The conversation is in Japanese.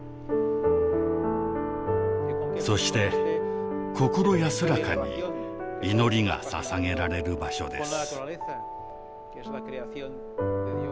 そして心安らかに祈りがささげられる場所です。